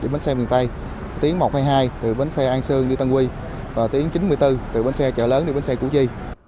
bến xe miền tây tuyến một hai mươi hai từ bến xe an sương đi tân quy và tuyến chín mươi bốn từ bến xe chợ lớn đi bến xe củ chi